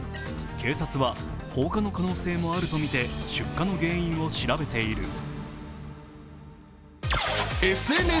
警察は放火の可能性もあるとみて、出火の原因を調べている。